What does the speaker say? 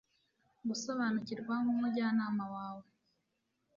gusobanukirwa nkumujyanama wawe